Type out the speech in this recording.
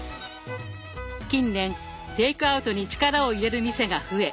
近年テイクアウトに力を入れる店が増え